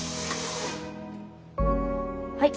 はい。